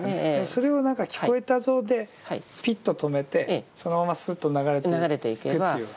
それを何か「聞こえたぞ」でピッと止めてそのままスッと流れていくという。